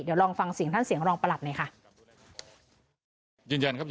เดี๋ยวลองฟังเสียงท่านเสียงรองประหลัดหน่อยค่ะ